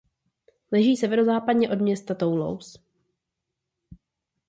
Leží severozápadně od města Toulouse.